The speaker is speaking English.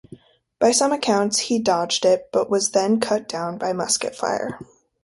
By some accounts he dodged it, but was then cut down by musket fire.